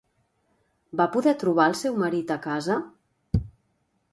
Va poder trobar al seu marit a casa?